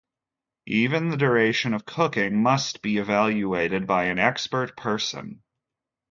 Even the duration of cooking must be evaluated by an expert person.